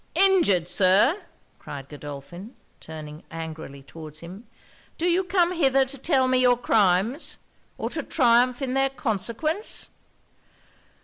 'Injured, Sir!' cried Godolphin, turning angrily towards him 'Do you come hither to tell me your crimes, or to triumph in their consequence?'